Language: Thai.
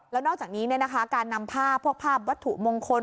แล้วนอกจากนี้การนำภาพพวกภาพวัตถุมงคล